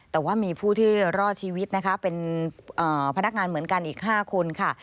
แต่ว่ามีผู้ที่รอดชีวิตนะคะเป็นพนักงานเหมือนกันอีก๕คนค่ะ